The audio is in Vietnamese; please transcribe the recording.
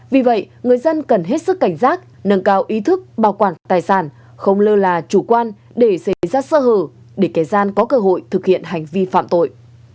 vì vậy người dân cần hết sức cảnh giác nâng cao ý thức bảo quản tài sản không lơ là chủ quan để xảy ra sơ hở để kẻ gian có cơ hội thực hiện hành vi phạm tội